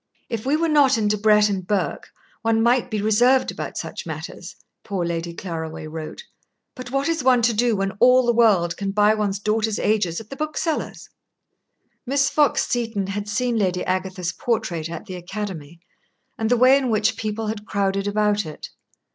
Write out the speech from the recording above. "If we were not in Debrett and Burke, one might be reserved about such matters," poor Lady Claraway wrote; "but what is one to do when all the world can buy one's daughters' ages at the book sellers'?" Miss Fox Seton had seen Lady Agatha's portrait at the Academy and the way in which people had crowded about it.